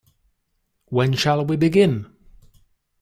When shall we begin?